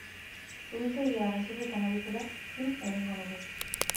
Suhiltzailea gezurretan ari zela zin egingo nuke.